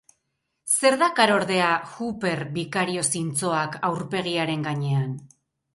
Zer dakar ordea Hooper bikario zintzoak aurpegiaren gainean?